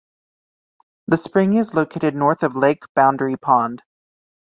This spring is located north of Lake Boundary Pond.